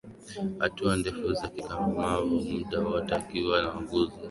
Hatua ndefu za kikakamavu muda wote akiwa anaangaza macho yake huku na kule